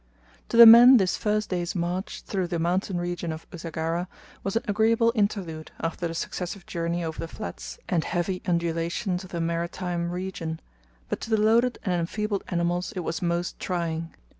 To the men this first day's march through the mountain region of Usagara was an agreeable interlude after the successive journey over the flats and heavy undulations of the maritime region, but to the loaded and enfeebled animals it was most trying.